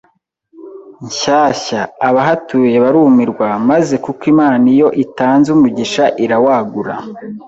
nshyashya, abahatuye barumirwa, Maze kuko Imana iyo itanze umugisha irawagura,